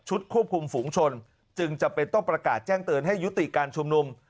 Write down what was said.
ควบคุมฝูงชนจึงจำเป็นต้องประกาศแจ้งเตือนให้ยุติการชุมนุม